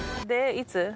でいつ？